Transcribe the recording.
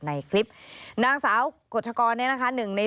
มันเกิดเหตุเป็นเหตุที่บ้านกลัว